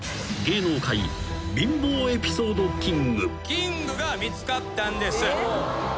キングが見つかったんです。